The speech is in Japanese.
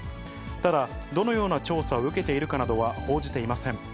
ただ、どのような調査を受けているかなどは報じていません。